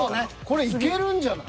これいけるんじゃない？